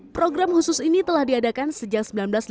program khusus ini telah diadakan sejak seribu sembilan ratus delapan puluh